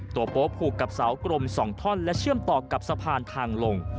โป๊ผูกกับเสากรม๒ท่อนและเชื่อมต่อกับสะพานทางลง